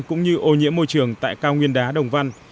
cũng như ô nhiễm môi trường tại cao nguyên đá đồng văn